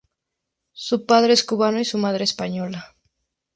Su padre es cubano y su madre española.